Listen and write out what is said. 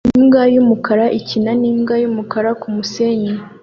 Imbwa yumukara ikina nimbwa yumukara kumusenyi